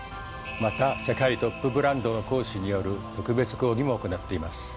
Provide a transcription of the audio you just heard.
また世界トップブランドの講師による特別講義も行っています。